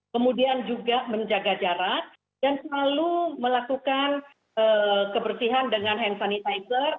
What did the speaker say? kemudian juga menjaga jarak dan selalu melakukan kebersihan dengan hand sanitizer